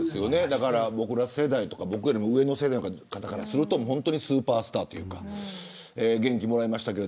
僕ら世代とか僕よりも上の世代の方からするとスーパースターというか元気をもらいました。